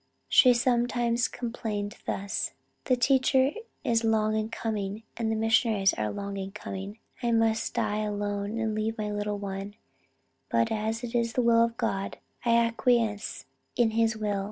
She sometimes complained thus: 'The teacher is long in coming, and the missionaries are long in coming, I must die alone and leave my little one, but as it is the will of God, I acquiesce in his will.